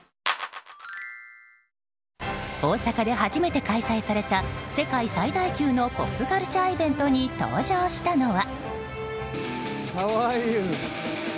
大阪で初めて開催された世界最大級のポップカルチャーイベントに登場したのは。